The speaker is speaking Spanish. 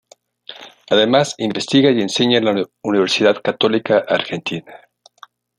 Además, investiga y enseña en la Universidad Católica Argentina.